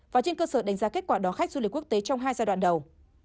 và trên cơ sở đánh giá kết quả đó khách du lịch quốc tế trong hai giai đoạn đầu